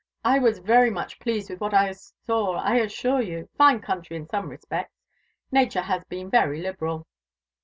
'I was very much pleased with what I saw, I assure you. Fine country in some respects nature has been very liberal."